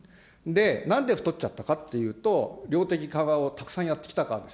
なんで太っちゃったかというと、量的緩和をたくさんやってきたからです。